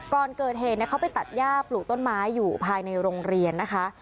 ก่อนเกิดเหตุเขาไปตัดย่าปลูกต้นไม้อยู่ภายในโรงเรียนนะคะ